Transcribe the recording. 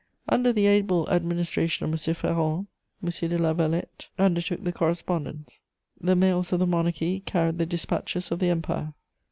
Under the able administration of M. Ferrand, M. de Lavallette undertook the correspondence: the mails of the Monarchy carried the despatches of the Empire.